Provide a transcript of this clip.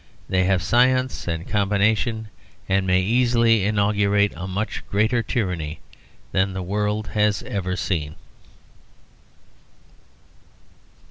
They have science and combination, and may easily inaugurate a much greater tyranny than the world has ever seen.